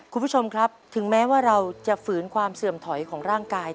คุณผู้ชมครับถึงแม้ว่าเราจะฝืนความเสื่อมถอยของร่างกาย